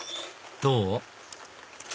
どう？